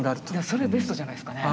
それベストじゃないですかね。